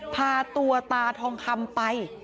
พาตัวตาทองคำไป